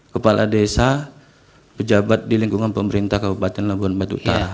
kepala desa pejabat di lingkungan pemerintah kabupaten labuan batu utara